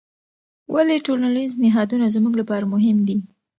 ولې ټولنیز نهادونه زموږ لپاره مهم دي؟